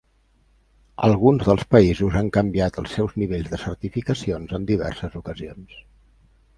Alguns dels països han canviat els seus nivells de certificacions en diverses ocasions.